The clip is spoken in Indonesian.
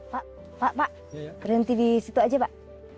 pak pak berhenti di situ aja pak